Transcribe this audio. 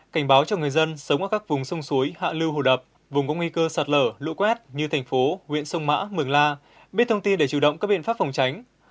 cảnh báo cho người dân sống ở các vùng sông suối hạ lưu hồ đập vùng có nguy cơ sạt lở lũ quét như thành phố huyện sông mã mường la biết thông tin để chủ động các biện pháp phòng tránh